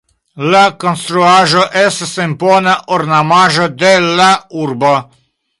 La konstruaĵo estas impona ornamaĵo de la urbo.